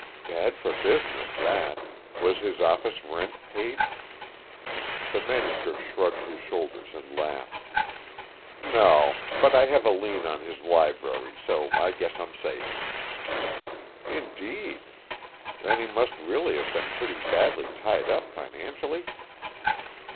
"Bad for business, that. Was his office rent paid?" The manager shrugged his shoulders and laughed. "No. But I have a lien on his library, so I guess I'm safe." "Indeed! Then he must really have been pretty badly tied up financially?"